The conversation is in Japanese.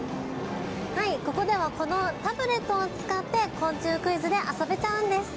ここではタブレットを使って昆虫クイズで遊べちゃうんです。